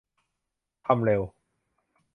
ทำเร็ว